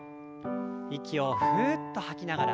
息をふうっと吐きながら。